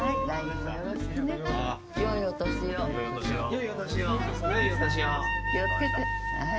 気をつけてはい。